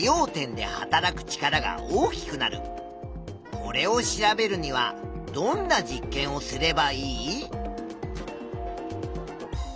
これを調べるにはどんな実験をすればいい？